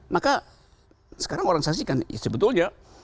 maka sekarang orang saksikan sebetulnya